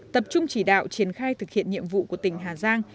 tập trung chỉ đạo triển khai thực hiện nhiệm vụ của tỉnh hà giang